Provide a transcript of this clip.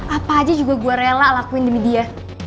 apa aja juga gua rela lakuin demi dia